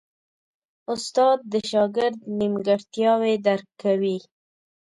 استاد د شاګرد نیمګړتیاوې درک کوي.